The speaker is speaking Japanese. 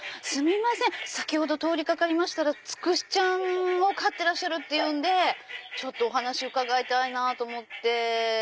先ほど通りかかりましたらつくしちゃんを飼ってらっしゃるっていうんでお話伺いたいなと思って。